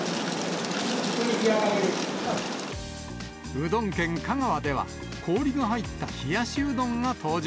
うどん県、香川では氷が入った冷やしうどんが登場。